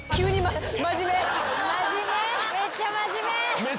真面目めっちゃ真面目。